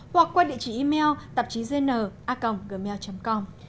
hoặc qua địa chỉ email tạp chí vn a gmail com